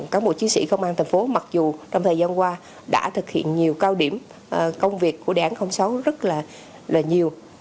các mục chí sĩ công an thành phố mặc dù trong thời gian qua đã thực hiện nhiều cao điểm công việc của đảng sáu rất là nhiều